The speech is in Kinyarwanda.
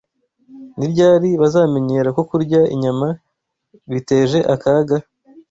Ni ryari bazamenyera ko kurya inyama biteje akaga?